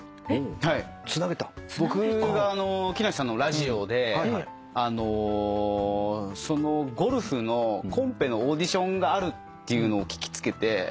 僕が木梨さんのラジオでゴルフのコンペのオーディションがあるっていうのを聞き付けて。